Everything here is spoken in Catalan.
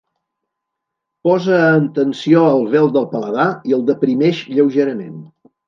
Posa en tensió el vel del paladar i el deprimeix lleugerament.